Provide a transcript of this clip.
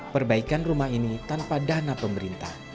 perbaikan rumah ini tanpa dana pemerintah